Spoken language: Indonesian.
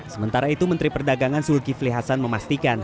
sementara itu menteri perdagangan sulki vli hasan memastikan